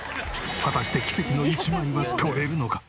果たして奇跡の一枚は撮れるのか！？